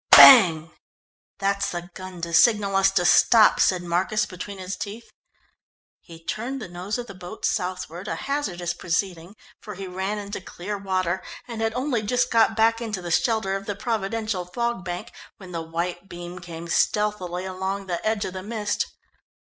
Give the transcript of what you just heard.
"Bang!" "That's the gun to signal us to stop," said Marcus between his teeth. He turned the nose of the boat southward, a hazardous proceeding, for he ran into clear water, and had only just got back into the shelter of the providential fog bank when the white beam came stealthily along the edge of the mist.